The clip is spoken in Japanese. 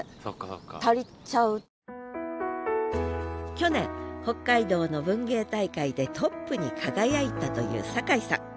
去年北海道の文芸大会でトップに輝いたという坂井さん。